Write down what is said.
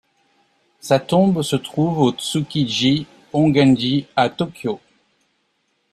Sa tombe se trouve au Tsukiji Hongan-ji à Tokyo.